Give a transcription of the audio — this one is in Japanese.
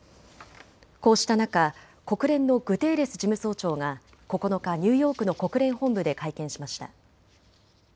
こうした中、国連のグテーレス事務総長が９日、ニューヨークの国連本部で会見しました。